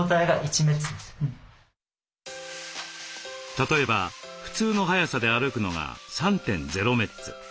例えば普通の速さで歩くのが３．０メッツ。